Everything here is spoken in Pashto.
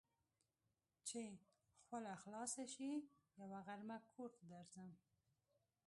چې خوله خلاصه شي؛ يوه غرمه کور ته درځم.